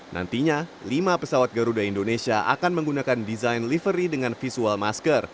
nantinya lima pesawat garuda indonesia akan menggunakan desain livery dengan visual masker